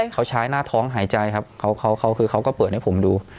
เขาใช้หน้าท้องหายใจครับเขาคือเขาก็เปิดให้ผมดู